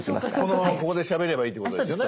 このままここでしゃべればいいってことですよね？